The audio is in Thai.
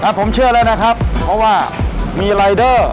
ผมเชื่อแล้วนะครับเพราะว่ามีรายเดอร์